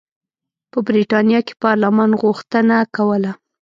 په برېټانیا کې پارلمان غوښتنه کوله.